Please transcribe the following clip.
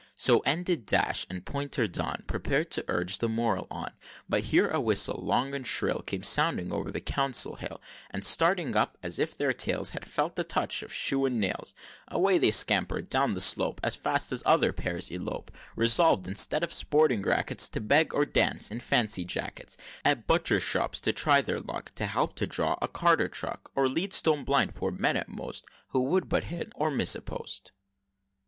So ended Dash; and Pointer Don Prepared to urge the moral on; But here a whistle long and shrill Came sounding o'er the council hill, And starting up, as if their tails Had felt the touch of shoes and nails, Away they scamper'd down the slope, As fast as other pairs elope, Resolv'd, instead of sporting rackets, To beg, or dance in fancy jackets; At butchers' shops to try their luck; To help to draw a cart or truck; Or lead Stone Blind poor men, at most Who would but hit or miss a post.